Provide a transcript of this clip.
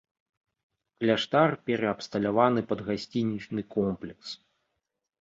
Кляштар пераабсталяваны пад гасцінічны комплекс.